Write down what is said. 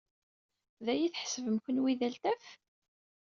D aya ay tḥesbem kenwi d altaf?